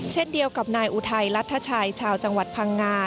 เช่นเดียวกับนายอุทัยรัฐชัยชาวจังหวัดพังงา